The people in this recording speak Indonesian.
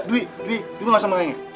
dwi dwi dwi masa mengengik